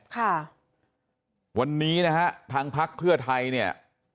ค่ะวันนี้นะฮะทางพักเพื่อไทยเนี่ย